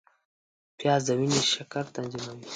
پیاز د وینې شکر تنظیموي